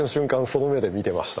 その目で見てました。